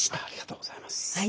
ありがとうございます。